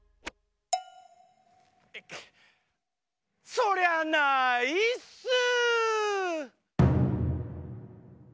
そりゃないっすー！